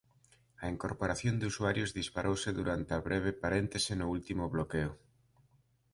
A incorporación de usuarios disparouse durante a breve paréntese no último bloqueo.